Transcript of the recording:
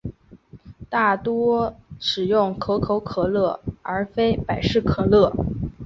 大多使用可口可乐而非百事可乐。